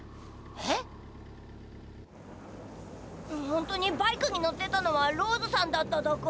本当にバイクに乗ってたのはローズさんだっただか？